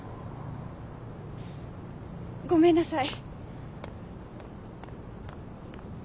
ごめんなさい。